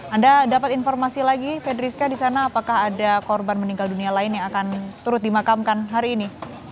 anda dapat informasi lagi fedriska di sana apakah ada korban meninggal dunia lain yang akan turut dimakamkan hari ini